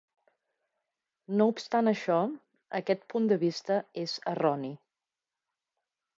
No obstant això, aquest punt de vista és erroni.